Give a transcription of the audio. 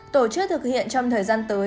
tổ chức thực hiện trong thời gian tới